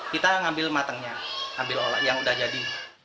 kita ngambil matangnya yang sudah jadi